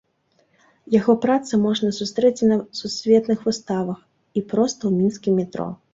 Яго працы можна сустрэць і на сусветных выставах, і проста ў мінскім метро.